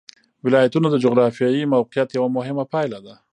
ولایتونه د جغرافیایي موقیعت یوه مهمه پایله ده.